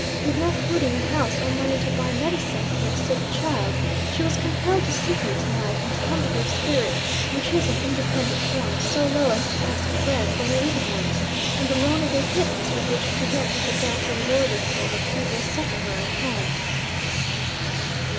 With no food in the house, or money to buy medicine for her sick child, she was compelled to seek me to night, and to humble her spirit, which is an independent one, so low as to ask bread for her little ones, and the loan of a pittance with which to get what the doctor has ordered for her feeble sufferer at home.'